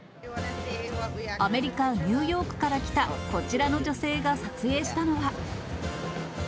アメリカ・ニューヨークから来た、こちらの女性が撮影したのは。